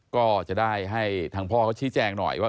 ก็จะได้ให้ทางพ่อเขาชี้แจงหน่อยว่า